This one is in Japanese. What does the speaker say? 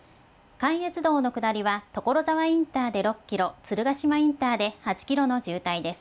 関越道の下りは、所沢インターで６キロ、鶴ヶ島インターで８キロの渋滞です。